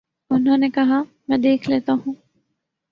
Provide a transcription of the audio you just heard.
انہوں نے کہا: میں دیکھ لیتا ہوں۔